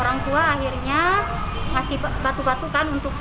orang tua akhirnya ngasih batu batu kan untuk